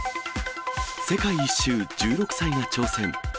世界一周１６歳が挑戦。